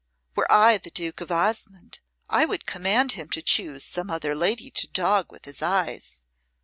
"Were I the Duke of Osmonde I would command him to choose some other lady to dog with his eyes.